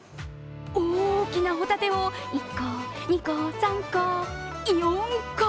大きなホタテを１個、２個、３個４個！